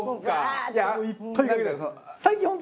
いっぱいかけたいです。